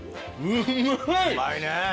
うまいね。